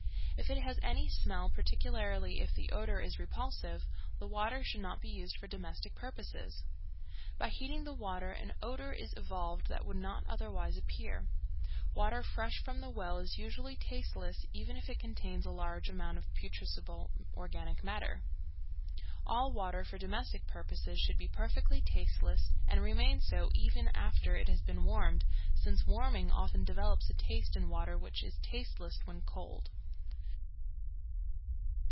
If it has any smell, particularly if the odor is repulsive, the water should not be used for domestic purposes. By heating the water an odor is evolved that would not otherwise appear. Water fresh from the well is usually tasteless, even if it contains a large amount of putrescible organic matter. All water for domestic purposes should be perfectly tasteless, and remain so even after it has been warmed, since warming often develops a taste in water which is tasteless when cold.